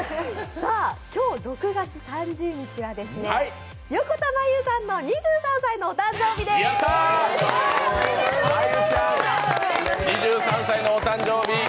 今日６月３０日は横田真悠さんの２３歳のお誕生日です！